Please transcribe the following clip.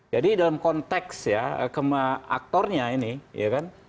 jadi dalam konteks ya aktornya ini ya kan